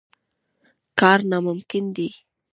کار ناممکن دی.